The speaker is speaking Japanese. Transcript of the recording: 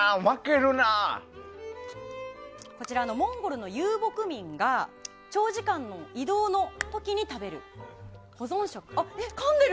こちら、モンゴルの遊牧民が長時間の移動の時に食べる保存食。